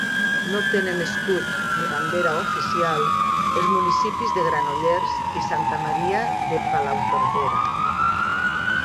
No tenen escut ni bandera oficial els municipis de Granollers i Santa Maria de Palautordera.